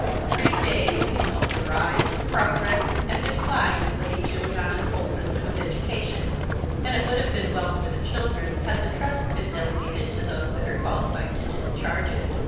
Three days beheld the rise, progress, and decline of Lady Juliana's whole system of education; and it would have been well for the children had the trust been delegated to those better qualified to discharge it.